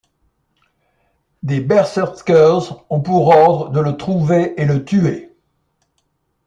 Des Berserkers ont pour ordre de le trouver et le tuer.